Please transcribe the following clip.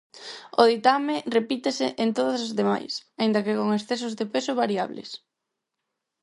O ditame repítese en todas as demais, aínda que con excesos de peso variables.